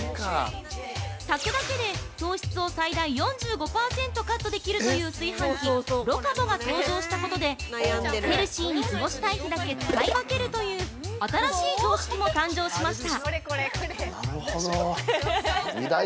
炊くだけで糖質を最大４５％カットできるという炊飯器ロカボが登場したことでヘルシーに過ごしたい日だけ使い分けるという新しい常識も誕生しました！